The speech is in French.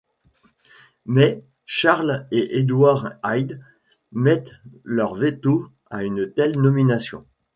Mais Charles et Edward Hyde mettent leur veto à une telle nomination.